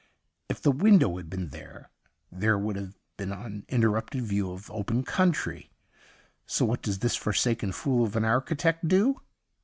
If the window had been here there would have been an uninterrupted view of open country. So what does this forsaken fool of an architect do